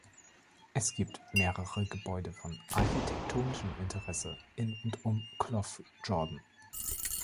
Es gibt mehrere Gebäude von architektonischem Interesse in und um Cloughjordan.